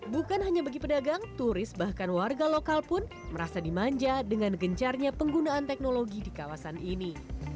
bukan hanya bagi pedagang turis bahkan warga lokal pun merasa dimanja dengan gencarnya penggunaan teknologi di kawasan ini